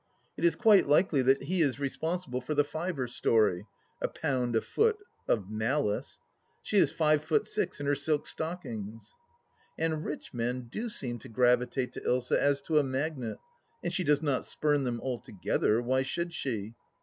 It is quite likely that he is responsible for the fiver story : a pound a foot — of malice ! She is five foot six in her silk stockings. And rich men do seem to gravitate to Ilsa as to a magnet, and she does not spurn them, altogether ; why should she